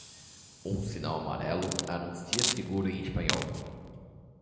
Um sinal amarelo anuncia seguro em espanhol.